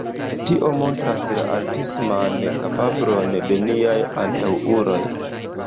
Tio montras la artisman kapablon de niaj antaŭuloj.